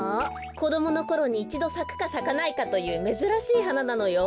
こどものころにいちどさくかさかないかというめずらしいはななのよ。